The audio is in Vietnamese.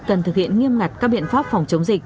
cần thực hiện nghiêm ngặt các biện pháp phòng chống dịch